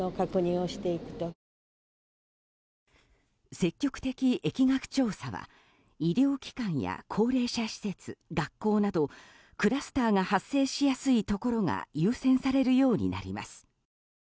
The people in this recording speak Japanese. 積極的疫学調査は医療機関や高齢者施設、学校などクラスターが発生しやすいところが優先されるようになります。